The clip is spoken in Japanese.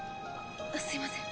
すいません。